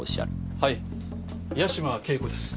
はい八島景子です。